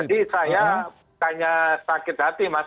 jadi saya tanya sakit hati mas